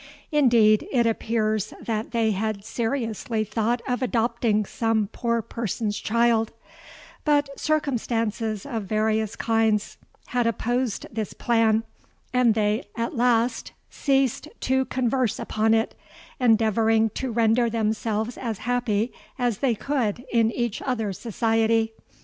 Indeed, it appears that they had seriously thought of adopting some poor person's child: but circumstances of various kinds had opposed this plan; and they at last ceased to converse upon it—endeavouring to render themselves as happy as they could in each other's society.